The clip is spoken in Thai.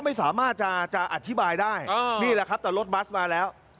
ไม่สามารถจะอธิบายได้นี่แหละครับแต่รถบัสมาแล้ว